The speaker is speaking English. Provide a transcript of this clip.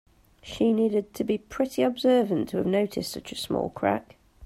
She needed to be pretty observant to have noticed such a small crack.